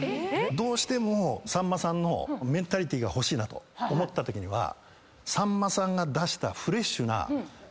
どうしてもさんまさんのメンタリティーが欲しいなと思ったときにはさんまさんが出した。